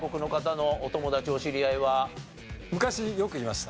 昔よくいました。